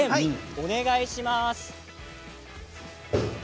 お願いします。